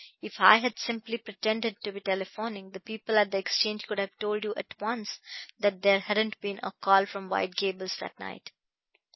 If I had simply pretended to be telephoning, the people at the exchange could have told you at once that there hadn't been a call from White Gables that night."